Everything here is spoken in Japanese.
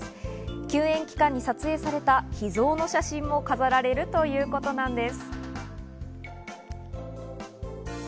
休園期間に撮影された秘蔵の写真も飾られるということなんです。